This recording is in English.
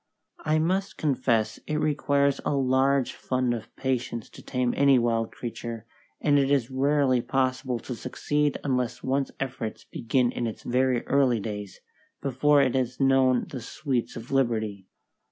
I must confess it requires a large fund of patience to tame any wild creature, and it is rarely possible to succeed unless one's efforts begin in its very early days, before it has known the sweets of liberty.